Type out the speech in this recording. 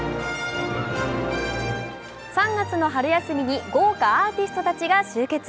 ３月の春休みに豪華アーティストたちが集結。